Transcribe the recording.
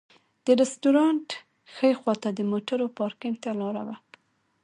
د رسټورانټ ښي خواته د موټرو پارکېنګ ته لاره وه.